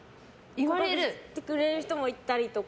告白してくれる人もいたりとか。